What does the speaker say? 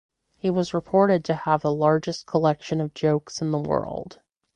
He was reported to have the largest collection of jokes in the world.